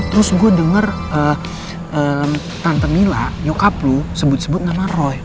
terus gua denger tante mila nyokap lo sebut sebut nama roy